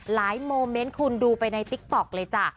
โมเมนต์คุณดูไปในติ๊กต๊อกเลยจ้ะ